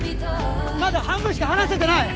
まだ半分しか話せてない